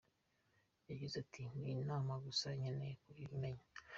Yagize ati “Ni Imana gusa ikeneye kubimenya.